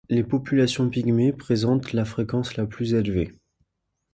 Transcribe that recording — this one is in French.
Les populations Pygmées présentent la fréquence la plus élevée.